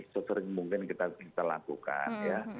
sesering mungkin kita bisa lakukan ya